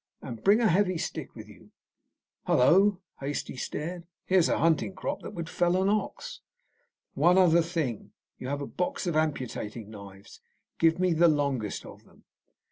"And bring a heavy stick with you." "Hullo!" Hastie stared. "Here's a hunting crop that would fell an ox." "One other thing. You have a box of amputating knives. Give me the longest of them."